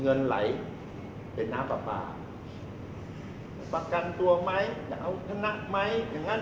เงินไหลเป็นนะบาสักกัดตัวไหมจะเอาขณะไหมยังครับ